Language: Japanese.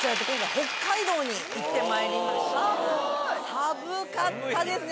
寒かったですね。